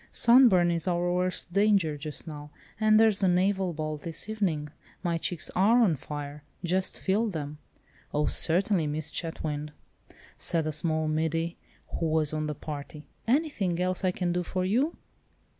Sunburn is our worst danger just now, and there's the naval ball this evening. My cheeks are on fire, just feel them." "Oh, certainly, Miss Chetwynd!" said a small middy, who was of the party. "Anything else I can do for you?"